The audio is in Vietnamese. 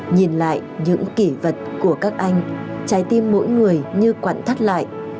nhìn lại những kỷ vật của các anh trái tim mỗi người như quặn thắt lại